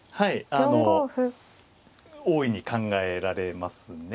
あの大いに考えられますね。